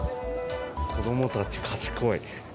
子どもたち、賢い。